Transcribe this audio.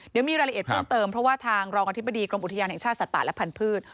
เดี๋ยวมีรายละเอียดเพิ่มเติมเพราะว่าทางรองอธิบดีกรมอุทยานแห่งชาติสัตว์ป่าและพันธุ์